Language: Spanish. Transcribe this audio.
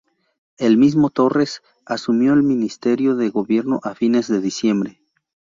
El mismo Torres asumió el ministerio de gobierno a fines de diciembre.